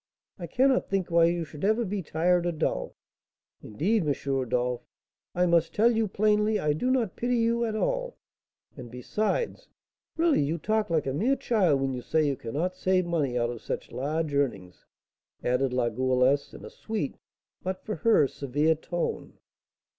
I cannot think why you should ever be tired or dull. Indeed, M. Rodolph, I must tell you plainly I do not pity you at all; and, besides, really you talk like a mere child when you say you cannot save money out of such large earnings," added La Goualeuse, in a sweet, but, for her, severe tone.